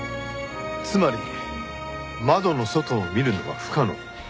つまり窓の外を見るのは不可能。